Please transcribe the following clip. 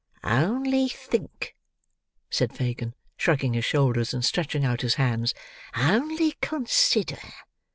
"Only think," said Fagin, shrugging his shoulders, and stretching out his hands; "only consider.